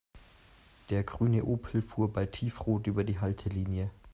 Der grüne Opel fuhr bei Tiefrot über die Haltelinie.